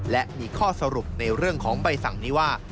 และมีข้อสรุปในเรื่องของใบสั่งนี้ว่า